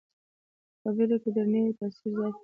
خبرې که درنې وي، تاثیر زیات لري